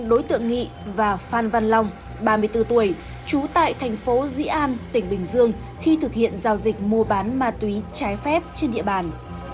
đối tượng nghị và phan văn long ba mươi bốn tuổi trú tại thành phố dĩ an tỉnh bình dương khi thực hiện giao dịch mua bán ma túy trái phép trên địa bàn